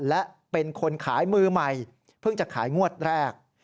และเป็นคนขายมือใหม่เพิ่งจะขายงวดแรก